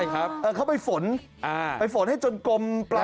เขาไปฝนไปฝนให้จนกลมปลา